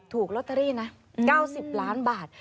ถูกลอตเตอรี่นะ๙๐ล้านบาท